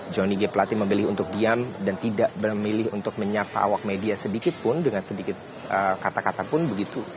johnny g plate memilih untuk diam dan tidak memilih untuk menyapa awak media sedikit pun dengan sedikit kata kata pun begitu